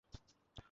আমি কখন চাইলাম?